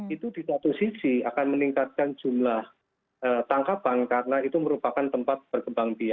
itu di satu sisi akan meningkatkan jumlah tangkapan karena itu merupakan tempat berkembang biaya